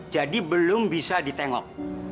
jadi belum bisa ditengok